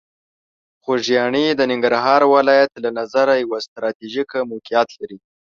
خوږیاڼي د ننګرهار ولایت له نظره یوه ستراتیژیکه موقعیت لري.